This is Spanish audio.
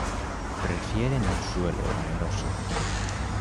Prefieren un suelo arenoso.